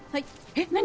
えっ何！？